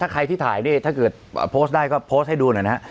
ใครที่ถ่ายนี่ถ้าเกิดโพสต์ได้ก็โพสต์ให้ดูหน่อยนะฮะ